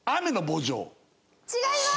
違います！